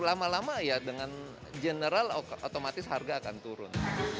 lama lama ya dengan general otomatis harga akan turun